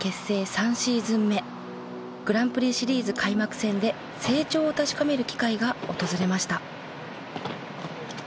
３シーズン目グランプリシリーズ開幕戦で成長を確かめる機会が訪れました。